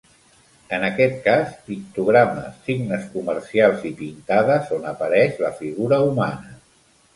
En aquest cas, pictogrames, signes comercials i pintades on apareix la figura humana.